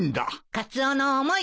カツオの思い